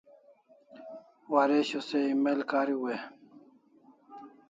Waresho se email kariu e?